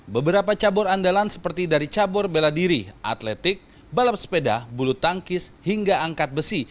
beberapa cabur andalan seperti dari cabur bela diri atletik balap sepeda bulu tangkis hingga angkat besi